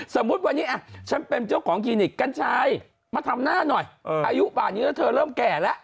สมมุติวันนี้ฉันเป็นเจ้าของคลินิกกัญชัยมาทำหน้าหน่อยอายุป่านี้แล้วเธอเริ่มแก่แล้ว